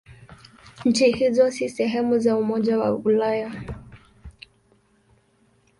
Nchi hizo si sehemu za Umoja wa Ulaya.